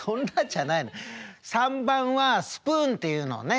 ３番はスプーンっていうのねっ。